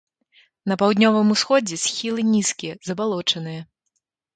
На паўднёвым усходзе схілы нізкія, забалочаныя.